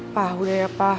pak udah ya pak